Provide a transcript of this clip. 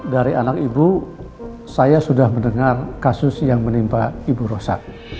dari anak ibu saya sudah mendengar kasus yang menimpa ibu rosa